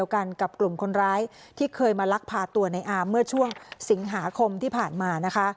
กันกับกลุ่มคนร้ายที่เคยมาลักพาตัวในอามเมื่อช่วงสิงหาคมที่ผ่านมานะคะ